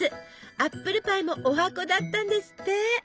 アップルパイもおはこだったんですって！